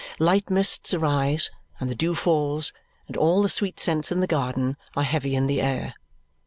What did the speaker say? Light mists arise, and the dew falls, and all the sweet scents in the garden are heavy in the air.